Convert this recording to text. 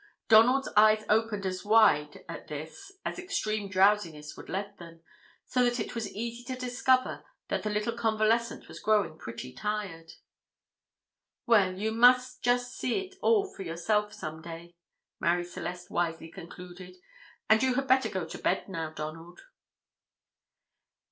Donald's eyes opened as wide at this as extreme drowsiness would let them, so that it was easy to discover that the little convalescent was growing pretty tired. "Well, you must just see it all for yourself some day," Marie Celeste wisely concluded; "and you had better go to bed now, Donald."